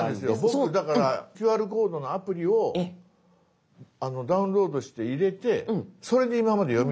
僕だからＱＲコードのアプリをダウンロードして入れてそれで今まで読み取ってたんですよ。